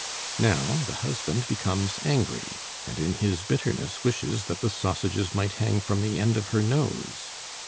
Now the husband becomes angry, and in his bitterness wishes that the sausages might hang from the end of her nose.